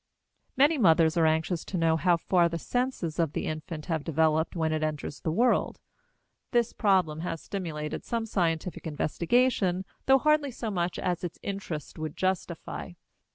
Many mothers are anxious to know how far the senses of the infant have developed when it enters the world. This problem has stimulated some scientific investigation, though hardly so much as its interest would justify.